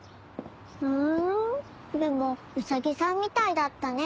ふん目もウサギさんみたいだったね。